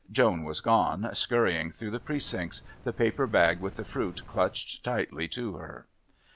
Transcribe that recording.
Joan was gone, scurrying through the Precincts, the paper bag with the fruit clutched tightly to her.